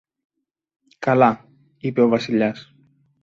καλά, είπε ο Βασιλιάς.